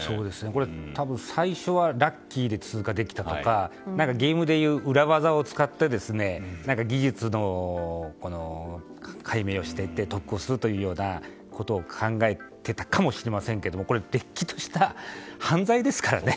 これ、たぶん最初はラッキーで通過できたとかゲームで言う裏技を使って技術の解明をして得をするというようなことを考えていたかもしれませんがれっきとした犯罪ですからね。